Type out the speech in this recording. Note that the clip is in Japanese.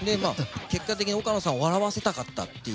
結果的に岡野さんを笑わせたかったって。